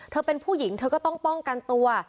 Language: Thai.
เป็นผู้หญิงเธอก็ต้องป้องกันตัว